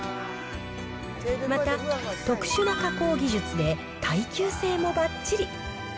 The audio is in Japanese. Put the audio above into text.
また特殊な加工技術で、耐久性もばっちり。